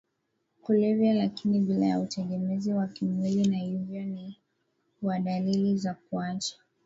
kulevya lakini bila ya utegemezi wa kimwili na hivyo ni wa dalili za kuacha